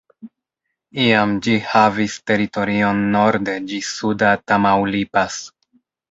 Iam ĝi havis teritorion norde ĝis suda Tamaulipas.